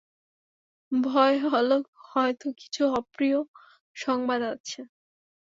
ভয় হল হয়তো কিছু অপ্রিয় সংবাদ আছে।